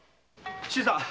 新さん。